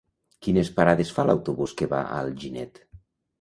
Quines parades fa l'autobús que va a Alginet?